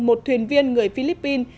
một thuyền viên người philippines